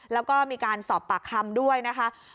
แล้วก็มีการสอบปากคำด้วยนะคะ